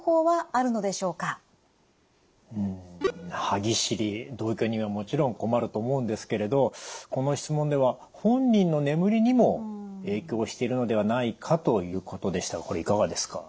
歯ぎしり同居人はもちろん困ると思うんですけれどこの質問では本人の眠りにも影響しているのではないかということでしたがこれいかがですか？